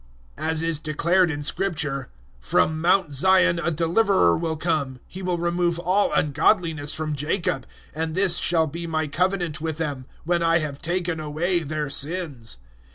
As is declared in Scripture, "From Mount Zion a Deliverer will come: He will remove all ungodliness from Jacob; 011:027 and this shall be My Covenant with them; when I have taken away their sins."